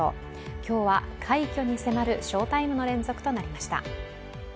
今日は快挙に迫る翔タイムの連続となりました。